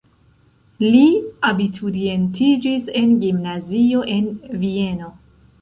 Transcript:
Li abiturientiĝis en gimnazio en Vieno.